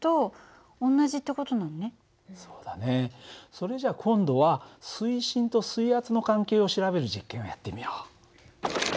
それじゃ今度は水深と水圧の関係を調べる実験をやってみよう。